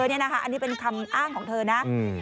อันนี้เป็นคำอ้างของเธอนะ